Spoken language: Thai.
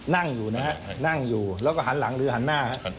นั่งอยู่นะฮะนั่งอยู่แล้วก็หันหลังหรือหันหน้าครับ